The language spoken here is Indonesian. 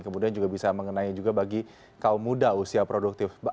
kemudian juga bisa mengenai juga bagi kaum muda usia produktif